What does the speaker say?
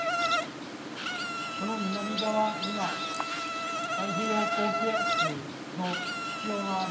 その南側には太平洋高気圧の縁を回る。